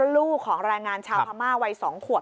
ลูกของแรงงานชาวพม่าวัย๒ขวบ